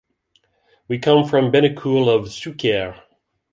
We come from Benicull of Xúquer.